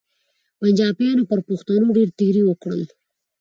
پنچاپیانو پر پښتنو ډېر تېري وکړل.